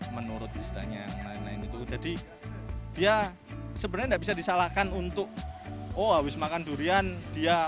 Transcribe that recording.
menurut istilahnya lain lain itu jadi dia sebenarnya nggak bisa disalahkan untuk oh habis makan durian dia